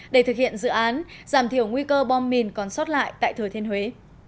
để thực hiện dự án giảm thiểu nguy cơ bom mìn còn sót lại tại thừa thiên huế